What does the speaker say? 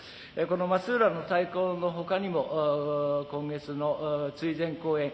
この「松浦の太鼓」のほかにも今月の追善公演